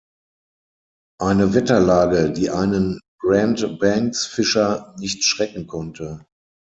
Eine Wetterlage, die einen Grand-Banks-Fischer nicht schrecken konnte.